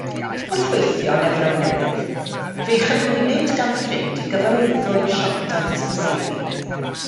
Wrth weithio yn Efrog Newydd, fe'i chyflwynwyd gan ffrind i gyfarwyddwr asiantaeth hysbysebu.